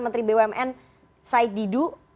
menteri bumn said didu